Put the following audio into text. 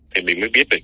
thì mình mới biết được